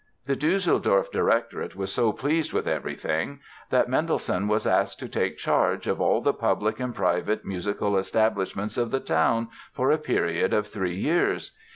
The Düsseldorf directorate was so pleased with everything that Mendelssohn was asked to take charge "of all the public and private musical establishments of the town" for a period of three years.